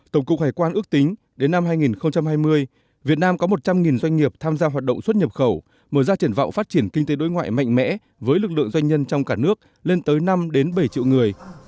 tổng cục hải quan ước tính đến năm hai nghìn hai mươi việt nam có một trăm linh doanh nghiệp tham gia hoạt động xuất nhập khẩu mở ra triển vọng phát triển kinh tế đối ngoại mạnh mẽ với lực lượng doanh nhân trong cả nước lên tới năm bảy triệu người